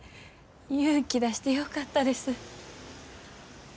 勇気出してよかったです。